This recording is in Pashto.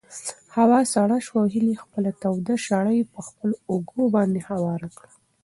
هوا سړه شوه او هیلې خپله توده شړۍ په خپلو اوږو باندې هواره کړه.